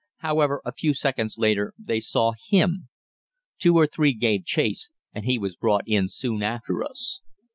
However, a few seconds later they saw him. Two or three gave chase, and he was brought in soon after us.